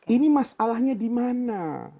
ini masalahnya dimana